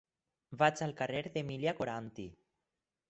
Vaig al carrer d'Emília Coranty.